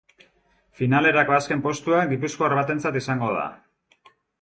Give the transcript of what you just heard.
Finalerako azken postua gipuzkoar batentzat izango da.